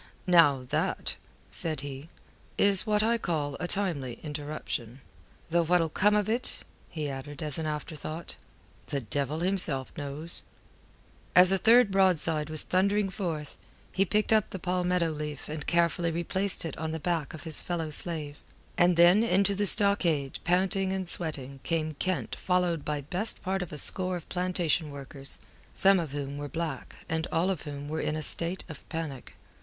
"Now that," said he, "is what I call a timely interruption. Though what'll come of it," he added as an afterthought, "the devil himself knows." As a third broadside was thundering forth, he picked up the palmetto leaf and carefully replaced it on the back of his fellow slave. And then into the stockade, panting and sweating, came Kent followed by best part of a score of plantation workers, some of whom were black and all of whom were in a state of panic.